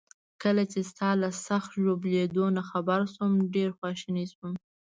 کله چي ستا له سخت ژوبلېدو نه خبر شوم، ډیر خواشینی شوم.